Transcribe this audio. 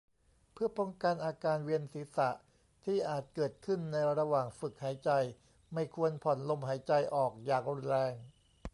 เพื่อป้องกันอาการเวียนศีรษะที่อาจเกิดขึ้นในระหว่างฝึกหายใจ ไม่ควรผ่อนลมหายใจออกอย่างรุนแรง